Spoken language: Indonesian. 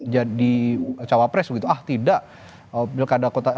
jadi cawapres begitu ah tidak